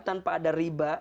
tanpa ada riba